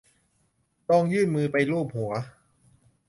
ลองยื่นมือไปลูบหัว